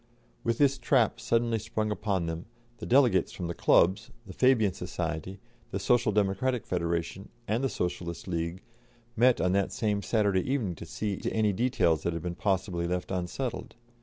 With this trap suddenly sprung upon them, the delegates from the clubs, the Fabian Society, the Social Democratic Federation, and the Socialist League, met on that same Saturday evening to see to any details that had been possibly left unsettled.